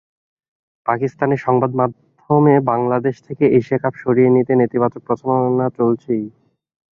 পাকিস্তানের সংবাদমাধ্যমে বাংলাদেশ থেকে এশিয়া কাপ সরিয়ে নিতে নেতিবাচক প্রচারণা চলছেই।